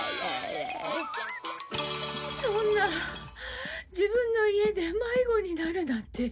そんな自分の家で迷子になるなんて。